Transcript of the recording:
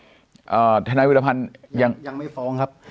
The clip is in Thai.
อ่าท่านนักวิทยาภัณฑ์ยังยังไม่ฟ้องครับ